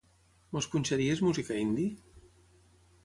Ens punxaries música indie?